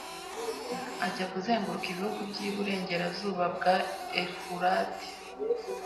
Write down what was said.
ajya kuzenguruka ibihugu by'iburengerazuba bwa efurati